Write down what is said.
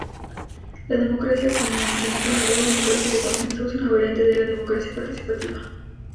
La democracia consensual o "democracia de consenso" es una variante de la democracia participativa.